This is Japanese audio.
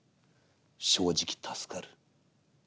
正直助かる。